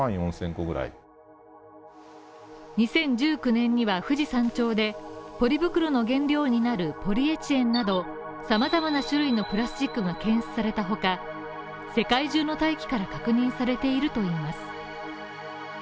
２０１９年には富士山頂でポリ袋の原料になるポリエチレンなど様々な種類のプラスチックの検出された他、世界中の大気から確認されているといいます。